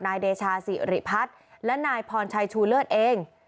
นายเดชาสิริพัฒน์และนายพรชัยชูเลิศเอง